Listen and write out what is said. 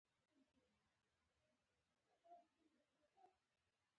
د وېښتیانو ساتنه هره ورځ مهمه ده.